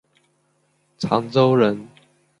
长洲人。